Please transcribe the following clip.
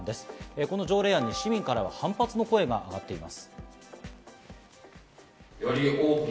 この条例案に市民からは反発の声が上がっています。